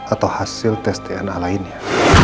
atau hasil tes dna lainnya